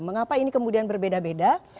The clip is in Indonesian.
mengapa ini kemudian berbeda beda